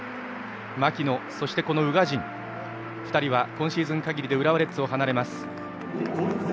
槙野、そして宇賀神２人は今シーズン限りで浦和レッズを離れます。